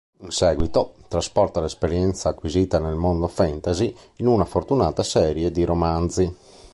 In seguito, trasporta l'esperienza acquisita nel mondo fantasy in una fortunata serie di romanzi.